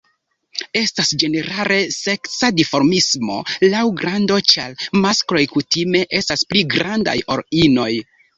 Estas ĝenerale seksa dimorfismo laŭ grando, ĉar maskloj kutime estas pli grandaj ol inoj.